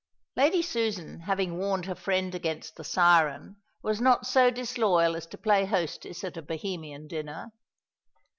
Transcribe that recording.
Lady Susan having warned her friend against the siren, was not so disloyal as to play hostess at a Bohemian dinner.